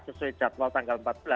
sesuai jadwal tanggal empat belas